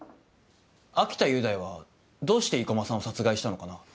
秋田雄大はどうして生駒さんを殺害したのかな？